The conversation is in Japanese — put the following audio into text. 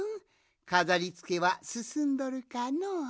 かざりつけはすすんどるかのう？